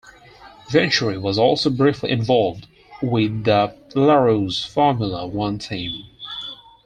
Venturi was also briefly involved with the Larrousse Formula One team.